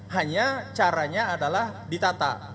hanya caranya adalah ditata